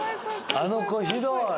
あの子、ひどい。